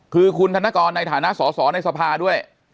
คือคุณธนกรในฐานะสอสอในสภาด้วย